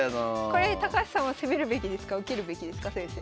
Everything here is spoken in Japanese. これ高橋さんは攻めるべきですか受けるべきですか先生。